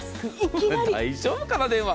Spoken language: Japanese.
大丈夫かな、電話。